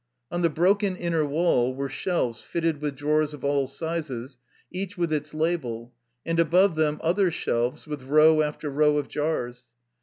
On the broken inner wall were shelves fitted with drawers of all sizes, each with its label, and above them other shelves with row after row of jars.